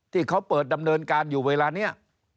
ที่เขาเปิดดำเนินการอยู่เวลานี้